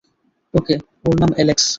ওকে, ওর নাম অ্যালেক্স!